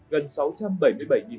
gần sáu trăm bảy mươi bảy vụ án